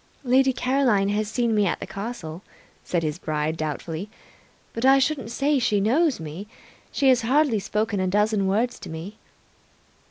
"Lady Caroline has seen me at the castle," said his bride doubtfully, "but I shouldn't say she knows me. She has hardly spoken a dozen words to me."